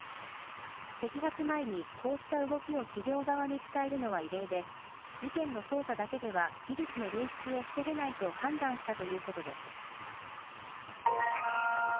摘発前にこうした動きを企業側に伝えるのは異例で事件の捜査だけでは技術の流出を防げないと判断したということです。